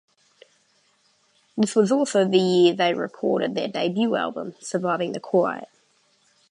This was also the year they recorded their debut album, "Surviving the Quiet".